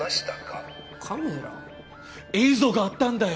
映像があったんだよ。